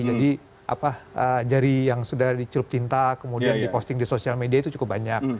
jadi jari yang sudah dicerup tinta kemudian diposting di sosial media itu cukup banyak